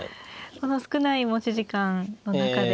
この少ない持ち時間の中で。